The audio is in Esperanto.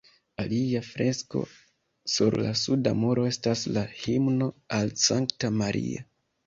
Alia fresko sur la suda muro estas la "Himno al Sankta Maria".